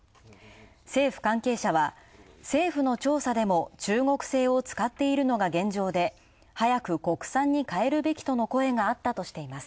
政府関係者は政府の調査でも中国せいを使っているのが現状で早く国産に替えるべきとの声があったとしています。